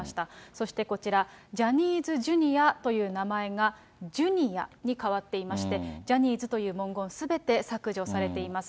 そしてこちら、ジャニーズジュニアという名前がジュニアに変わっていまして、ジャニーズという文言すべて削除されています。